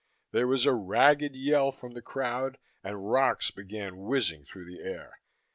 There was a ragged yell from the crowd, and rocks began whizzing through the air.